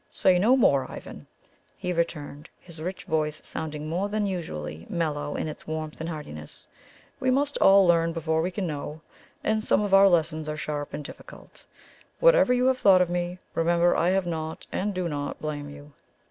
"Say no more, Ivan," he returned, his rich voice sounding more than usually mellow in its warmth and heartiness. "We must all learn before we can know, and some of our lessons are sharp and difficult. Whatever you have thought of me, remember I have not, and do not, blame you.